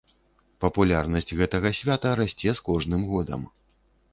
Папулярнасць гэтага свята расце з кожным годам.